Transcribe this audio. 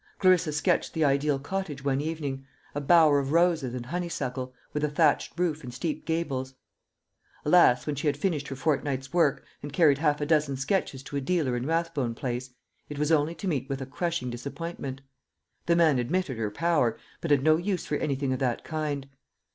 Clarissa sketched the ideal cottage one evening a bower of roses and honeysuckle, with a thatched roof and steep gables. Alas, when she had finished her fortnight's work, and carried half a dozen sketches to a dealer in Rathbone place, it was only to meet with a crushing disappointment. The man admitted her power, but had no use for anything of that kind.